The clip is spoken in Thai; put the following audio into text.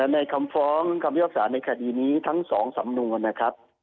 ในคำฟ้องคำพิพากษาในคดีนี้ทั้ง๒สำนวนนะครับ